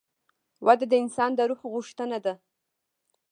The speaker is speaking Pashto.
وده د انسان د روح غوښتنه ده.